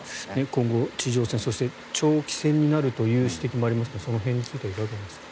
今後、地上戦そして長期戦になるという指摘もありますがその辺についてはいかがですか。